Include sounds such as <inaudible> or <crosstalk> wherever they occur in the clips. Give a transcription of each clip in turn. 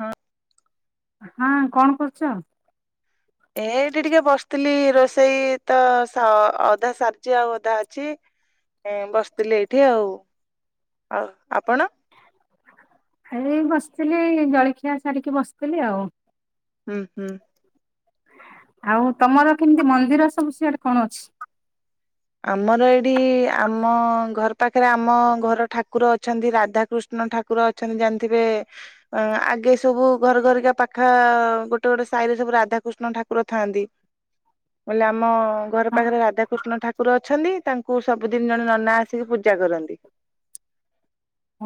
ହୁଁ। ହଁ କଣ କରୁଚ? ଏ ଏଇଠି ଟିକେ ବସିଥିଲି ରୋଷେଇ ତ ସ ଅଧା ସାରିଛି ଆଉ ଅଧା ଅଛି। ଏ ବସିଥିଲି ଏଇଠି ଆଉ ଆଉ ଆପଣ ଏଇ ବସିଥିଲି ଜଳଖିଆ ସାରିକି ବସିଥିଲି ଆଉ। ହୁଁ ହୁଁ। ଆଉ ତମର କେମିତି ମନ୍ଦିର ସବୁ ସିଆଡେ କଣ ଅଛି? ଆମର ଏଇଠି ଆମ ଘର ପାଖରେ ଆମ ଘର ଠାକୁର ଅଛନ୍ତି ରାଧାକୃଷ୍ଣ ମନ୍ ଠାକୁର ଅଛନ୍ତି ଜାଣିଥିବେ। ଅ ଆଗେ ସବୁ ଘର ଘରିକା ପାଖା ଗୋଟେ ଗୋଟେ ସାହିରେ ସବୁ ରାଧାକୃଷ୍ଣ ଠାକୁର ଥାଆନ୍ତି। ବୋଇଲେ ଆମ ଘର ପାଖରେ ରାଧାକୃଷ୍ଣ ଠାକୁର ଅଛନ୍ତି ତାଙ୍କୁ ସବୁଦିନ ଜଣେ ନନା ଆସିକି ପୂଜା କରନ୍ତି।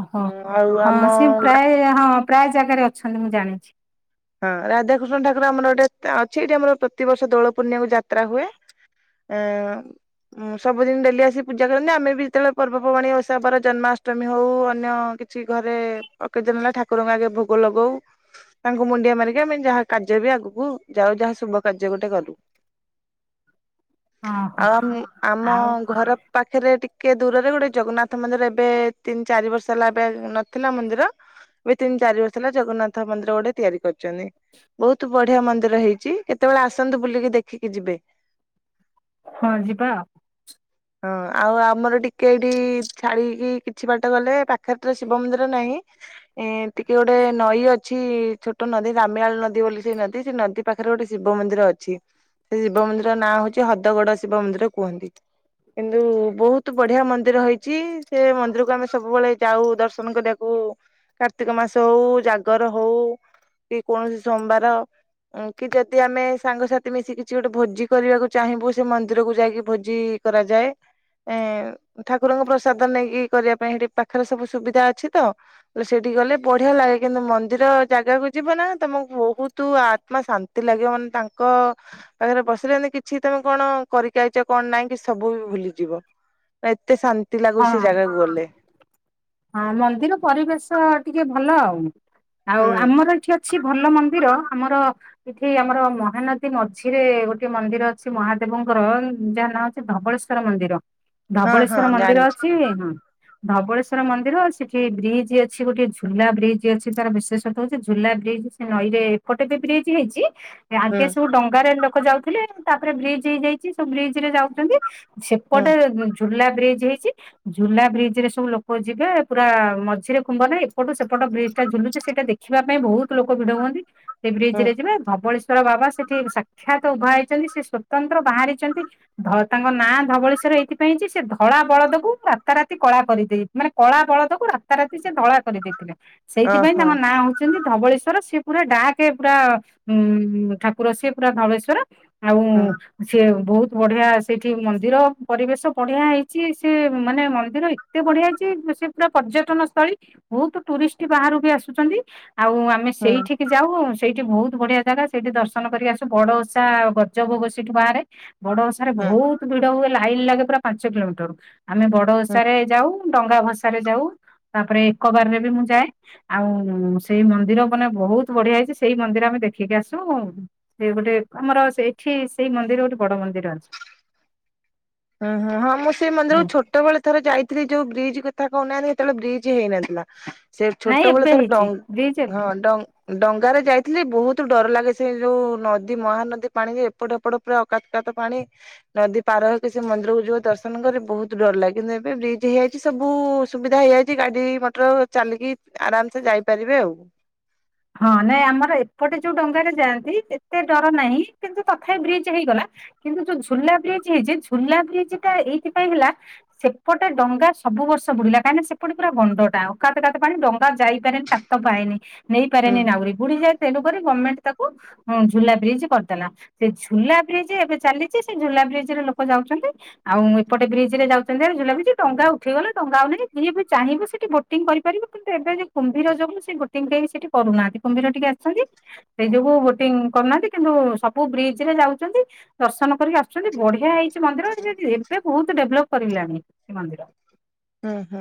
ଓହୋ ଆଉ ହଁ ଆମ ସିଏ ପ୍ରାୟ ହଁ ପ୍ରାୟ ଜାଗାରେ ଅଛନ୍ତି ମୁଁ ଜାଣିଛି। ହଁ ରାଧାକୃଷ୍ଣ ଠାକୁର ଆମର ଗୋଟେ ଅଛି ଏଇଠି ଆମର ପ୍ରତିିବର୍ଷ ଦୋଳ ପୂର୍ଣ୍ଣିମାକୁ ଯାତ୍ରା ହୁଏ। ଆ <unintelligible> ଉଁ ସବୁଦିନ ଡେଲି ଆସି ପୂଜା କରନ୍ତି ଆମେ ବି ଯେତେବେଳେ ପର୍ବପର୍ବାଣି ଓଷା ପର୍ବ ଜନ୍ମାଷ୍ଟମୀ ହଉ ଅନ୍ୟ ଅଛି ଘରେ କେତେଦିନ ହେଲା ଠାକୁରଙ୍କୁ ଆଗେ ଭୋଗ ଲଗଉ। ତାଙ୍କୁ ମୁଣ୍ଡିଆ ମାରିକି ଆମେ ଯାହା କାର୍ଯ୍ୟ ବି ଆଗକୁ ଯାଉ ଯାହା ଶୁଭ କାର୍ଯ୍ୟ ଗୋଟେ କରୁ। ଓହୋ ଆମେ ଆମ ଆଉ ଘର ପାଖେରେ ଟିକେ ଦୂରରେ ଗୋଟେ ଜଗନ୍ନାଥ ମନ୍ଦିର ଏବେ ତିନ୍ ଚାରି ବର୍ଷ ହେଲା ଏବେ ନଥିଲା ମନ୍ଦିର ଏ ତିନ୍ ଚାରି ବର୍ଷ ହେଲା ଜଗନ୍ନାଥ ମନ୍ଦିର ଗୋଟେ ତିଆରି କରିଚନ୍ତି ବହୁତ୍ ବଢିଆ ମନ୍ଦିର ହେଇଚି କେତେବେଳେ ଆସନ୍ତୁ ବୁଲିକି ଦେଖିକି ଯିବେ। ହଁ ଯିବା। ହଁ ଆଉ ଆମର ଟିକେ ଏଇଠି ଛାଡିକି କିଛି ବାଟ ଗଲେ ପାଖରେ ତ ଶିବ ମନ୍ଦିର ନାଇଁ ଏଁ ଟିକେ ଗୋଟେ ନଈ ଅଛି ଛୋଟ ନଦୀ ରାମିଆଳ୍ ନଦୀ ବୋଲି ସେଇ ନଦୀ ସେ ନଦୀ ପାଖରେ ଗୋଟେ ଶିବ ମନ୍ଦିର ଅଛି। ସେ ଶିବ ମନ୍ଦିରର ନାଁ ହଉଚି ହଦଗଡ ଶିବ ମନ୍ଦିର କୁହନ୍ତି। କିନ୍ତୁ ବହୁତୁ ବଢିଆ ମନ୍ଦିର ହେଇଚି। ସେ ମନ୍ଦିରକୁ ଆମେ ସବୁବେଳେ ଯାଉ ଦର୍ଶନ କରିଆକୁ। କାର୍ତ୍ତିକ ମାସ ହଉ ଜାଗର ହଉ। କି କୌଣସି ସୋମବାର। ଅଁ କି ଯଦି ଆମେ ସାଙ୍ଗସାଥି ମିଶି କିଛି ଗୋଟେ ଭୋଜି କରିଆକୁ ଚାହିଁବୁ ସେ ମନ୍ଦିରକୁ ଯାଇକି ଭୋଜି କରାଯାଏ। ଏଁ ଠାକୁରଙ୍କ ପ୍ରସାଦ ନେଇକି କରିଆ ପାଇଁ ସେଠି ପାଖରେ ସବୁ ସୁବିଧା ଅଛି ତ। <unintelligible> ସେଠି ଗଲେ ବଢିଆ ଲାଗେ କିନ୍ତୁ ମନ୍ଦିର ଜାଗାକୁ ଯିବ ନା ତମ <unintelligible> ବହୁତୁ ଆତ୍ମା ଶାନ୍ତି ଲାଗିବ ମାନେ ତାଙ୍କ ପାଖରେ ବସିଲେ ଏନ୍ତି କିଛି ତମେ କଣ କରିକି ଆଇଚ କଣ ନାଇଁ କି ସବୁ ଭୁଲିଯିବ। ଏତେ ଶାନ୍ତି ଲାଗୁଛି ସେ ଆଉ। ହଁ ଜାଗାକୁ ଗଲେ। ହଁ ମନ୍ଦିର ପରିବେଶ ଟିକେ ଭଲ ଆଉ। ଆଉ ହୁଁ ଆମର ଏଠି ଅ ଛି ଭଲ ମନ୍ଦିର ଆମର ଏଠି ଆମର ମହାନଦୀ ମଝିରେ ଗୋଟେ ମନ୍ଦିର ଅଛି ମହାଦେବଙ୍କର ଯାହା ନାଁ ଧବଳେଶ୍ଵର ମନ୍ଦିର ହଁ ହଁ ଧବଳେଶ୍ଵର ମନ୍ଦିର ଜାଣିଛି ଅଛି ହଁ ଧବଳେଶ୍ <unintelligible> ର ମନ୍ଦିର ସେଠି ବ୍ରିଜ୍ ଅଛି ଗୋଟେ ଝୁଲା ବ୍ରିଜ୍ ଅଛି ତାର ବିଶେଷତ ହଉଛି ଝୁଲା ବ୍ରିଜ୍ ସେ ନଈ ରେ କଟେତି ବ୍ରିଜି ହେଇଚି ଏ ହୁଁ ଆଗେ ସବୁ ଡଙ୍ଗାରେ ଲୋକ ଯାଉଥିଲେ ତାପରେ ବ୍ରିଜି ହେଇଯାଇଚି ସବୁ ବ୍ରିଜ ରେ ଯାଉଚନ୍ତି। ହୁଁ ସେପଟେ ଝୁଲା ବ୍ରିଜ୍ ହେଇଚି ଝୁଲା ବ୍ରିଜ୍ ରେ ସବୁ ଲୋ କ ଯିବେ ପୁରା ମଝିରେ ଖୁମ୍ବ ନାଇ ଏପଟୁ ସେପଟ ବ୍ରିଜ୍ ଟା ଝୁଲୁଚି ସେଇଟା ଦେଖିବା ପାଇଁ ବହୁତୁ ଲୋକ ଭିଡ ହୁଅନ୍ତି ସେ ବ୍ରିଜ୍ ହୁଁ ରେ ଯିବେ ଧବଳେଶ୍ ଶର ବାବା ସେଠି ସାକ୍ଷାତ୍ ଉଭା ହେଇଛନ୍ତି ସେ ସ୍ୱତନ୍ତ୍ର ବାହାରିଚନ୍ତି ଧ ତାଙ୍କ ନାଁ ଧବଳେଶ୍ଵର ଏଇଥିପାଇଁ ଯେ ସେ ଧଳା ବଳଦକୁ ରାତାରାତି କଳା କରିଦେଇ ମାନେ କଳା ବଳଦକୁ ରାତାରାତି ସେ ଧଳା କରିଦେଇଥିଲେ ସେଇଥିପାଇଁ ଓହୋ ତାଙ୍କ ନାଁ ହଉ ଚନ୍ତି ଧବଳେଶ୍ଵର ସିଏ ପୁରା ଡାକେ ପୁରା ଉଁ ଠାକୁର ସିଏ ପୁରା ଧବଳେଶ୍ଵର। ଆଉଁ ହୁଁ ସେ ବହୁତ୍ ବଢିଆ ସେଇଠି ମନ୍ଦିର ପରିବେଶ ବଢିଆ ହେଇଚି ସେ ମାନେ ମନ୍ଦିର ଏତେ ବଢିଆ ହେଇଚି କି ସେ ପୁରା ପର୍ଯ୍ୟଟନ ସ୍ଥଳୀ ବହୁତୁ ଟୁରିଷ୍ଟ୍ ବାହାରୁ ବି ଆସୁଛନ୍ତି ଆଉ ଆମେ ହୁଁ ସେଇଠି କି ଯାଉଁ ସେଇଠି ବହୁତ୍ ବଢିଆ ଜାଗା ସେଇଠି ଦର୍ଶନ କରିକି ଆସୁ ବଡ ଓଷା ଗଜ ଭୋଗ ସେଇଠୁ ବାହାରେ। ବଡ ଓଷାରେ ହୁଁ ବହୁତ୍ ଭିଡ ହୁଏ ଲାଇନ୍ ଲାଗେ ପୁରା ପାଞ୍ଚ କିଲୋମିଟର୍ ରୁ ଆମେ ବଡ ହୁଁ ଓଷାରେ ଯାଉ। ଡଙ୍ଗା ଭଷାରେ ଯାଉ ତାପରେ ଏକବାରରେ ବି ମୁଁ ଯାଏ। ଆଉଁ ସେଇ ମନ୍ଦିର ଗଲେ ବହୁତ୍ ବଢିଆ ହେଇଚି ସେଇ ମନ୍ଦିର ଆମେ ଦେଖିକି ଆସୁଁ। ସେ ଗୋଟେ ଆମର ସେଇଠି ସେଇ ମନ୍ଦିର ଗୋଟେ ବଡ ମନ୍ଦିର ଅଛି। ହଁ-ହଁ-ହଁ ମୁଁ ସେ ହୁଁ ମନ୍ଦିରକୁ ଛୋ ଯେତେବେଳେ ଥରେ ଯାଇଥିଲି ଯୋଉ ବ୍ରିଜ କଥା କହୁନାହାନ୍ତି ସେତେବେଳେ ବ୍ରିଜ୍ ହେଇନଥିଲା। ସେ ନାଇଁ ଛୋଟବେଳେ ଏବେ ଥର ହେଇଛି ଡଙ୍ଗ ବ୍ରିଜ ଏବେ ହଁ ଡ ଡଙ୍ଗା ରେ ଯାଇଥିଲି ବହୁତ ଡର ଲାଗେ ସେ ଯୋଉ ନଦୀ ମହାନଦୀ ପାଣିରେ ଏପଟ ଏପଟ। ପୁରା ଅକାତକାତ ପାଣି ନଦୀ ପାର। ସେ ମନ୍ଦିରକୁ ଯିବ ଦର୍ଶନ କରି ବହୁତ ଡର ଲାଗେ କିନ୍ତୁ ଏବେ ବ୍ରିଜ୍ ହେଇଯାଇଛି ସବୁ ସୁବିଧା ହେଇଯାଇଛି ଗାଡି ମଟର। ଚାଲିକି ଆରାମ ସେ ଯାଇପାରିବେ ଆଉ। ହଁ ନାଇଁ ଆମର ଏପଟେ ଯୋଉ ଡଙ୍ଗାରେରେ ଯାଆନ୍ତି ଏତେ ଡର ନାହିଁ କିନ୍ତୁ ତଥାପି ବ୍ରିଜ୍ ହେଇଗଲା। କିନ୍ତୁ ଯୋଉ ଝୁଲା ବ୍ରିଜ ହେଇଛି ଝୁଲା ବ୍ରିଜ ଟା ଏଇଥିପାଇଁ ହେଲା। ସେପଟେ ଡଙ୍ଗା ସବୁ ବର୍ଷ ବୁଡିଲା କାହିଁକିନା ସେପଟେ ପୁରା ଗଣ୍ଡଟା ଅକାତକାତ ପାଣି ଡଙ୍ଗା ଯାଇପାରେନି ତା ତ ପାଏନି ହୁଁ ନେଇପାରେନି ନାହୁରି ବୁଡିଯାଏ ତେଣୁକରି ଗମେଣ୍ଟ ତାକୁ ଉଁ ଝୁଲା ବ୍ରିଜ କରିଦେଲା। ସେ ଝୁଲା ବ୍ରିଜ ଏବେ ଚାଲିଚି ସେ ଝୁଲା ବ୍ରିଜ ରେ ଲୋକ ଯାଉଚନ୍ତି। ଆଉ ଏପଟେ ବ୍ରିଜ ରେ ଯାଉଛନ୍ତି ଭାଆରି ଝୁଲାବ୍ରିଜ ଟଙ୍ଗା ଉଠିଗଲା ଡଙ୍ଗା ଆଉ ନାହିଁ ଯିଏ ବି ଚାହିଁବ ସେଠି ବୋ ଟିଂ କରିପାରିବ କିନ୍ତୁ ଏବେ ଯୋଉ କୁମ୍ଭୀର ଯୋଗୁ ସେ ବୋଟିଂ କେହି ସେଠି କରୁନାହାନ୍ତି କୁମ୍ଭୀର ଟିକେ ଆସିଚନ୍ତି। ସେଇ ଯୋଗୁ ବୋଟିଂ କରୁନାହାନ୍ତି କିନ୍ତୁ ସବୁ ବ୍ରିଜ ରେ ଯାଉଛନ୍ତି। ଦର୍ଶନ କରିକି ଆସୁଛନ୍ତି ବଢିଆ ହେଇଛି ମନ୍ଦିର ଏବେ ବହୁତ ଡେଭଲପ କରିଲାଣି ସେ ମନ୍ଦିର। ହୁଁ ହୁଁ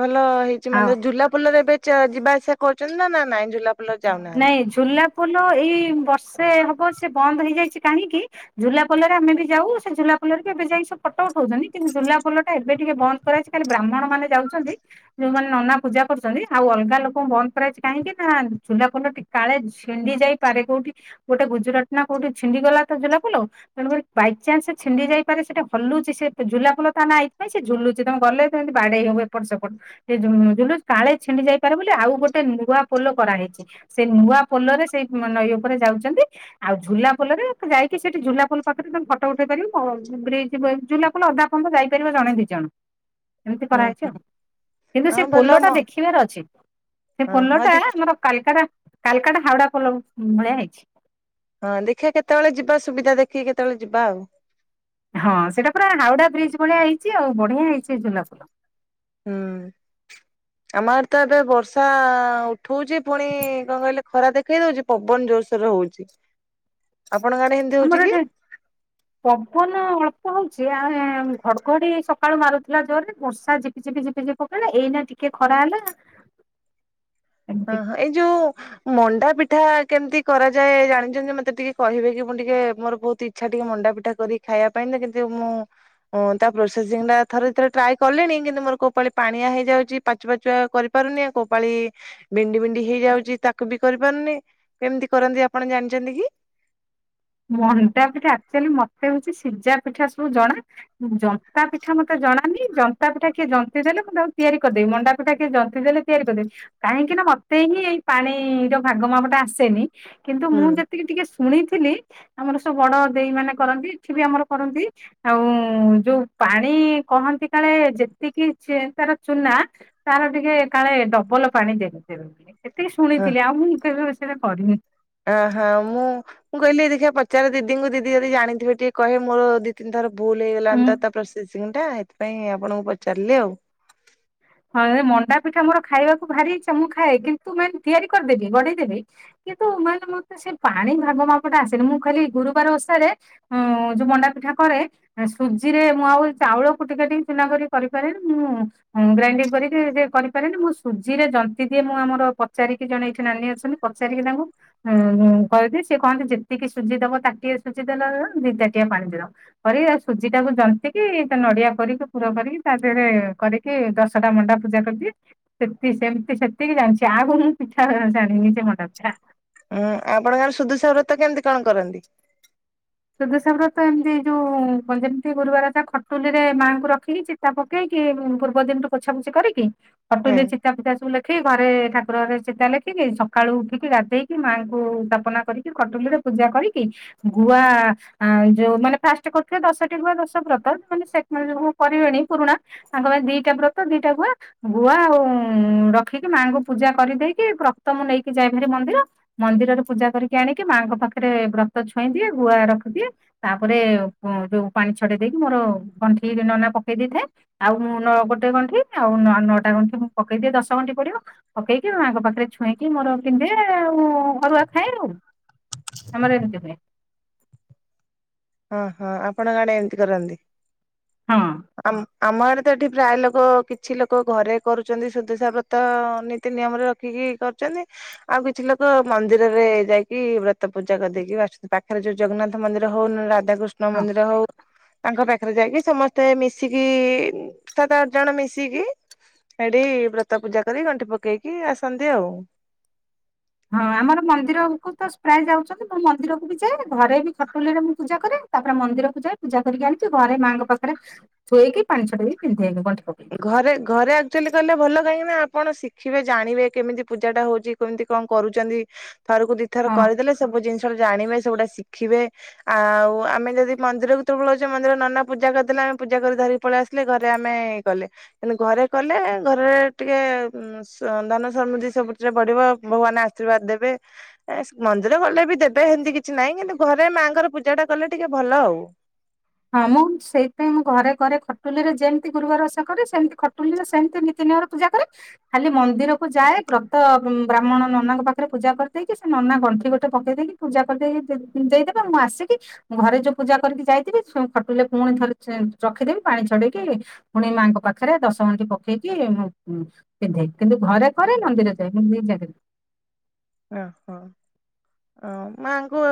ଭଲ ହେଇଛି ଆଉ ମାନେ ଝୁଲା ପୋଲରେ ଏବେ ଚ ଯିବା ଆସିବା କରୁଛନ୍ତି ନା ନା ନାଇଁଝୁଲା ନାଇଁ ଝୁଲା ପୋଲ ଏଇ ବର୍ଷେ ହବ ସେ ବନ୍ଦ ହେଇଯାଇଛି କାହିଁକି ଝୁଲା ପୋଲରେ ଆମେ ବି ଯାଉ ସେ ଝୁଲା ପୋଲରେ ବି ଏବେ ଯାଇ ସବୁ ଫଟ ଉଠଉଛନ୍ତି କିନ୍ତୁଝୁଲା ପୋଲଟା ଏବେ ଟିକେ ବନ୍ଦ କରାଯାଇଛି ଖାଲି ବ୍ରାହ୍ମଣ ମାନେ ଯାଉଛନ୍ତି ଯୋଉମାନେ ନନା ପୂଜା କରୁଛନ୍ତି ଆଉ ଅଲଗା ଲୋକଙ୍କୁ ବନ୍ଦ କରାଯାଇଛି କାହିଁକି ନାଁ ଝୁଲା ପୋଲଟି କାଳେ ଛିଣ୍ଡି ଯାଇପାରେ କୋଉଠି ଗୋଟେ ଗୁଜୁରାଟ ନା କୋଉଠି ଛିଣ୍ଡିଗଲା ତ ଝୁଲାପୋଲ। ତେଣୁକରି ବାଇଚାନ୍ସ ଛିଣ୍ଡି ଯାଇପାରେ ସେଟା ହଲୁଛି ସେ ଝୁଲା ପୋଲ ତା ନା ଏଇଥିପାଇଁ ସେ ଝୁଲୁଛି ତମେ ଗଲେ ସେ ଏମିତି ବାଡେଇ ହବ ଏପଟ ସେପଟ କାଳେ ଛିଣ୍ଡି ଯାଇପାରେ ବୋଲି ଆଉ ଗୋଟେ ନୂଆ ପୋଲ କରାହେଇଛି ସେ ନୂଆ ପୋଲରେ ସେଇ ନଈ ଉପରେ ଯାଉଚନ୍ତି। ଆଉ ଝୁଲା ପୋଲରେ ଯାଇକି ସେଠି ଝୁଲାପୋଲ ପାଖରେେ ତମେ ଫଟ ଉଠେଇ ପାରିବ କଣ କି ବ୍ରିଜ ଝୁଲା ପୋଲ ଅଧା ସେ ପରନ୍ତ ଯାଇପାରିବ ଜଣେ ଦି ଜଣ। ଏମିତି ହୁଁ କରାହେଇଛି ଆଉ କିନ୍ତୁ ହଁ ସେ ପୋଲ ଭଲ ଟା ମ ଦେଖିବାର ଅଛି ସେ ହଁ ପୋଲ ହଁ ଦେ ଆମର କାଲକାଟା କାଲକାଟା ହାଓଡା ପୋଲ ଭ ଭଳିଆ ହେଇଛି। ହଁ ଦେଖିଆ କେତେବଳେ ଯିବା ସୁବିଧା ଦେଖିକି କେତେବଳେ ଯିବା ଆଉ। ହଁ ସେଇଟା ପୁରା ହାଉଡା ବ୍ରିଜ୍ ଭଳିଆ ହେଇଛି ଆଉ ବଢିଆ ହେଇଛି ଝୁଲା ପୋଲ। ହୁଁ ଆମ ଆଡେ ତ ଏବେ ବର୍ଷା ଉଠଉଛି ପୁଣି କଣ କହିଲେ ଖରା ଦେଖେଇ ଦଉଛି ପବନ ଜୋରସୋରରେ ହଉଛି ଆପଣଙ୍କ ଆଡେ ହେ ଆମର ଏଠି ପବନ ଅଳ୍ପ ହଉଛି ଆ ହେଁ ଘଡଘଡି ସକାଳୁ ମାରୁଥିଲା ଜୋର ରେ ବର୍ଷା ଝିପିଝିପି ଝିପିଝିପି ପକେଇଲା ଏଇନା ଟିକେ ଖରା ହେଲା। ଏମିତି ଅଁହ ଏଇ ଯୋଉ ମଣ୍ଡା ପିଠା କେମତି କରାଯାଏ ଜାଣିଛନ୍ତି ମତେ ଟିକେ କହିବେକି ମୁଁ ଟିକେ ମୋର ବହୁତ ଇ ଇଚ୍ଛା ଟିକେ ମଣ୍ଡା ପିଠା କରି ଖାଇବା ପାଇଁ ତ କିନ୍ତୁ ମୁଁ କଣ ତା ପ୍ରୋସେସିଂ ଟା ଥରେ ଦିଥର ଟ୍ରାଏ କଲିଣି କିନ୍ତୁ ମୋର କୋଉ ପାଳି ପାଣିଆ ହେଇଯାଉଚି। ପାଚୁ ପାଚୁଆ କରିପାରୁନି କୋଉ ପାଳି ବିଣ୍ଡି ବିଣ୍ଡି ହେଇଯାଉଛି ତାକୁ ବି କରିପାରୁନି କେମତି କରନ୍ତି ଆପଣ ଜାଣିଛନ୍ତି କି? ମଣ୍ଡା ପିଠା ଆକ୍ଚୁଆଲି ମତେ ହଉଛି ସିଜା ପିଠା ସବୁ ଜଣା ଜନ୍ତା ପିଠା ମତେ ଜଣା ନାହିଁ ଜନ୍ତା ପିଠା କିଏ ଜି ଦେଲେ ମୁଁ ତାକୁ ତିଆରି କରିଦେବି ମଣ୍ଡାପିଠା କିଏ ଜନ୍ତି ଦେଲେ ତିଆରି କରିଦେବି। କାହିଁକି ନା ମତେ ହିଁ ଏଇ ପାଣି ର ଭାଗ ମାପଟା ଆସେନି। କିନ୍ତୁ ହୁଁ ମୁଁ ଯେତିକି ଟିକେ ଶୁଣିଥିଲି ଆମର ସବୁ ବଡ ଦେଇ ମାନେ କରନ୍ତି ଇଠି ବି ଆମର କରନ୍ତି ଆଉ ଉଁ ଯୋଉ ପାଣି କହନ୍ତି କାଳେ ଯେତିକି ଯେ ତାର ଚୁନା ତାର ଟିକେ କାଳେ ଡବଲ ପାଣି ଦିଆଯାଏ ସେମତି। ଏତିକି ଶୁଣିଥିଲି ଆଉ ମୁଁ କେବେବି ସେଟା କରିନି। ଅହ ମୁଁ ମୁଁ କହିଲି ଦେଖିବା ପଚାରେ ଦିଦିଙ୍କୁ ଦିଦି ଯଦି ଜାଣିଥିବେ ଟିକେ କହିବେ ମୋର ଦି କିନ୍ତୁ ତାର ଭୁଲ ହେଇଗଲା ଏମ ତ ତା ପ୍ରୋସେସିଂ ଟା ଏଥିପାଇଁ ଆପଣଙ୍କୁ ପଚାରିଲି ଆଉ। ହଁ ରେ ମଣ୍ଡା ପିଠା ମୋର ଖାଇବାକୁ ଭାରି ଇଚ୍ଛା ମୁଁ ଖାଏ କିନ୍ତୁ ମେନ ତିଆରି କରିଦେବି ଗଡେଇ ଦେବି କିନ୍ତୁ ମେନ ମତେ ସେ ପାଣି ଭାଗ ମାପଟା ଆସିନି ମୁଁ ଖାଲି ଗୁରୁବାର ଓଷାରେ ହଁ ଯୋଉ ମଣ୍ଡା ପିଠା କରେ ସୁଜିରେ ମୁଁ ଆଉ ଚାଉଳ କୁଟି କାଟି ଚୁନା କରି କରିପାରେନି ମୁଁ ହଁ ଗ୍ରାଇଣ୍ଡିଂ କରିକି ଯେ କରିପାରେନି ମୁଁ ସୁଜିରେ ଜନ୍ତିି ଦିଏ ମୁଁ ଆମର ପଚାରିକି ଜଣେ ଏଇଠି ନାନୀ ଅଛନ୍ତି। ପଚାରିକି ତାଙ୍କୁ ଉଁ କହିଦି ସେିଏ କହନ୍ତି ଯେତିକି ସୁଝଜି ଦବ ତାଟିଏ ସୁଝଜିଦଲ ଦି ଚଟିଆ ପାଣି ଦିର କରି ସୁଜି ଟାକୁ ଜନ୍ତିିକି ନଡିଆ କରିକି ପୁର କରିକି ତା ଦେହରେ କରି କି ଦଶଟା ମଣ୍ଡା ପୂଜା କରିଦିଏ। ସେତିକି ସେମିତି ସେତିକି ଜାଣିଛି ଆଗକୁ ମୁଁ ପିଠା ଜାଣି ନିଜେ ମଣ୍ଡ ପିଠା। ହୁଁ ଆପଣଙ୍କର ସୁଦୁସ ବ୍ରତ କେମିତି କଣ କରନ୍ତି? ସୁଧସାଗର ତ ଏମିତି ଯୋଉ ଯେମିତି ଗୁରୁବାର ତା ଖଟୁଲି ରେ ମାଆଙ୍କୁ ରଖିକି ତା ପକେଇକି ପୂର୍ବ ଦିନରୁୁ ପୋଛା ପୋଛି କରିକି ହଁ ହଟୁଲି। ଚିତା ପିତା ସବୁ ଲେଖିକି ଘରେ ଠାକୁରରେ ଚିତା ଲେଖିକି ସକାଳୁ ଉଠିକି ରାତିଧଇକି ମାଆଙ୍କୁପନା। କରିକି କଟଲିରେ ପୂଜା କରିକି ଗୁଆ ଆ ଯୋଉ ମାନେ ଫାଷ୍ଟ କରୁିବେ ଦଶଟି ରରୁ ବା ଦଶ ବ୍ରତ ଯ କରିବେନ ପୁରୁଣା। ତାଙ୍କ ପାଇଁ ଦିଟା ବ୍ରତ ଦିଟା ଗୁଆ। ଗୁଆ ଆଉ ରଖିକି ମାଙ୍କୁ ପୂଜା କରିଦେଇକି ରକ୍ତ ମୁ ନେଇକି ଯାଇ ଭାରି ମନ୍ଦିର। ମନ୍ଦିରରେ ପୂଜା କରିକି ଆଣିକି ମାଆଙ୍କ ପାଖରେ ବ୍ରତ ଛୁଇଁ ଦିଏ ଗୁଆ ରଖିଦିଏ। ତାପରେ ଯୋଉ ପାଣି ଛଡେଇ ଦେଇକି ମୋର ଗଣ୍ଠି ନନା ପକେଇ ଦେଇଥାଏ। ଆଉ ମୁଁ ନ ଗୋଟେ ଗଣ୍ଠି ଆଉ ନଅଟା ଗଣ୍ଠି ମୁଁ ପକେଇଦିଏ ଦଶ ଗଣ୍ଠି ପଡିବ। ପକେଇକି ମାଙ୍କ ପାଖରେ ଛୁଇଁକି ମୋର ପିନ୍ଧେ ଆଉ ଅରୁଆ ଖାଏ ଆଉ। ଆମର ଏମିତି ହୁଏ। ହ ହଁ ଆପଣ ଗାଡେ ଏମିତି କରନ୍ତି ହଁ ଆ। ଆମ ଆଡେ ତ ଏଠି ପ୍ରାୟ ଲୋକ କିଛି ଲୋକ ଘରେ କରୁଛନ୍ତି ସୁଦଶାାବତ ନୀତି ନିୟମର କି କି କରୁଛନ୍ତି। ଆଉ କିଛି ଲୋକ ମନ୍ଦିରରେ ଯାଇକି ବ୍ରତ ପୂଜା କରିଦେଇକି ଆସୁଛନ୍ତି ପାଖରେ ଯୋଉ ଜଗନ୍ନାଥ ମନ୍ଦିର ହଉନି ରାଧାକୃଷ୍ଣ ହଁ ମନ୍ଦିର ହଉ। ତାଙ୍କ ପାଖରେ ଯାଇକି ସମସ୍ତେ ମିଶିକି ସାତ ଆଠ ଜଣ ମିଶିକି। ସେଠି ବ୍ରତ ପୂଜା କରି ଗଣ୍ଠି ପକେଇକି ଆସନ୍ତି ଆଉ ହଁ ଆମର ମନ୍ଦିରକୁ ତ ପ୍ରାୟ ଯାଉଛନ୍ତି ମୁଁ ମନ୍ଦିରକୁ ବି ଯାଏ ଘରେ ବି ଖଟୁଲି ରେ ମୁଁ ପୂଜା କରେ। ତାପରେ ମନ୍ଦିରକୁ ଯାଇ ପୂଜା କରିକି ଆଣିକି ଘରେ ମାଆଙ୍କ ପାଖରେ ଛୋଇଇକି ପାଣି ଛଡେଇକି ପିନ୍ଧେଇି ଗନ୍ଥି ପକ ଘରେ ଘରେ ଆଚୁଆ କହିଲେ ଭଲ କାହିଁକି ନା ଆପଣ ଶିଖିବେ ଜାଣିବେ କେମିତି ପୂଜାଟା ହଉଛି କେମିତି କଣ କରୁଛନ୍ତି? ଥରକୁ ଦି ଥର ହଁ। କରିଦେଲେ ସବୁ ଜିନିଷଟାଣେ ସବୁଟା ଶିଖିବେ। ଆଉ ଆମେ ଯଦି ମନ୍ଦିରକୁତେ ପଳଉଛ ମନ୍ଦିର ନନା ପୂଜା କରିଦେଲେ ଆମେ ପୂଜା କରି ଧରିକି ପଳେଇ ଆସିଲେ ଘରେ ଆମେ କଲେ ଘରେ କଲେ ଘରେ ଟିକେ ଧନ ସମୃଦ୍ଧି ସବୁଥିରେ ବଢ଼ିବ ଭଗବାନ୍ ଆଶୀର୍ବାଦ ଦେବେ ମନ୍ଦିର ଗଲେ ବି ଦେବେ ସେମିତି କିଛି ନାହିଁ କିନ୍ତୁ ଘରେ ମାଙ୍କର ପୂଜା ଟା କଲେ ଟିକେ ଭଲ ଆଉ ହଁ ମୁଁ ସେଇଥିପାଇଁ ମୁଁ ଘରେ କରେ ଖଟୁଲିରେ ଯେମିତି ଗୁରୁବାର ଓଷା କରେ ସେମିତି ଖଟୁଲି ରେ ସେମିତି ନିତିନିୟମରେ ପୂଜା କରେ ଖାଲି ମନ୍ଦିରକୁ ଯାଏ ବ୍ରତ ବ୍ରାହ୍ମଣ ନନାଙ୍କ ପାଖରେ ପୂଜା କରିଦେଇକି ସେ ନନା ଗଣ୍ଠି ଗୋଟେ ପକେଇ ଦେଇକି ପୂଜା କରିଦେଇ ଦେଇଦେବେ ମୁଁ ଆସିକି ଘରେ ଯୋଉ ପୂଜା କରିକି ଯାଇଥିବି ଖଟୁଲିରେ ପୁଣି ଥରେ ରଖିଦେବି ପାଣି ଛଡେଇକି ପୁଣି ମାଆଙ୍କ ପାଖରେ ଦଶ ଗଣ୍ଠି ପକେଇକି ପିନ୍ଧେ କିନ୍ତୁ ଘରେ କରେ ମନ୍ଦିର ଯାଏ ମୁଁ ଦି ଜାଗାରେ ଓହୋ <unintelligible> ହ ମାଙ୍କୁ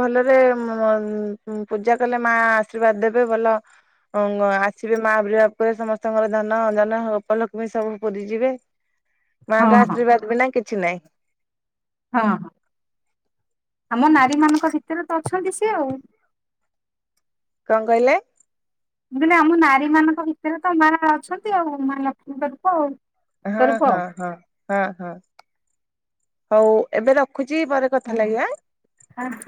ଭଲରେ ପୂଜା କଲେ ମା ଆଶୀର୍ବାଦ ଦେବେ ଭଲ ହ ଆସିଲେ ମା ବିରଜା ମାନ କରି ସମସ୍ତଙ୍କର ଧନ ଜନ ଉପଲକ୍ଷ୍ମୀ ସବୁ ପୁରିଯିବେ <unintelligible> ମାଙ୍କ ହଁ ଆଶୀର୍ବାଦ ବିନା କିଛି ନାଇଁ ହଁ ଆମ ନାରୀ ମାନଙ୍କ ଭିତରେ ତ ଅଛନ୍ତି ସିଏ ଆଉ କଣ କହିଲେ ମୁଁ କହିଲି ଆମ ନାରୀ ମାନଙ୍କ ଭିତରେ ତ ମା ଅଛନ୍ତି ଆଉ ମା ଲକ୍ଷ୍ମୀଙ୍କ ରୂପ ଆଉ ହଁ ସ୍ୱରୂପ ଆଉ। ହଁ ହଁ ହଁ ହଁ ହଉ ଏବେ ରଖୁଛି ପରେ କଥା ଲାଗିବା। ହଉ ରଖ